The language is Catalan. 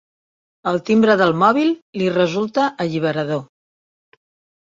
El timbre del mòbil li resulta alliberador.